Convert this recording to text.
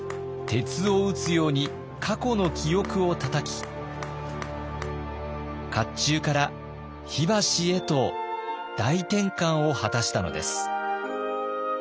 鉄を打つように過去の記憶をたたき甲冑から火箸へと大転換を果たしたのです。